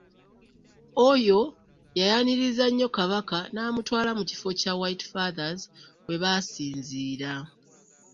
Oyo yayaniriza nnyo Kabaka n'amutwalako mu kifo kya White Fathers we basinziira.